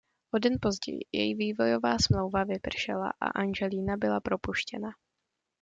O den později její vývojová smlouva vypršela a Angelina byla propuštěna.